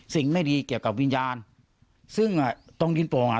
สิ่งไม่ดีเกี่ยวกับวิญญาณซึ่งอ่ะตรงดินโป่งอ่ะ